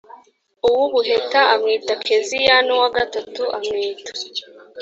uw ubuheta amwita keziya n uwa gatatu amwita